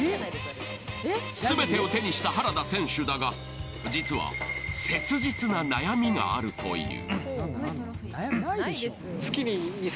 全てを手にした原田選手だが実は切実な悩みがあるという。